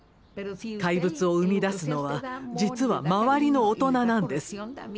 怪物を生み出すのは実は周りの大人なんです。